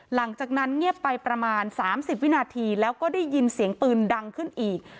หลังจากนั้นเงียบไปประมาณ๓๐วินาทีแล้วก็ได้ยินเสียงปืนดังขึ้นอีก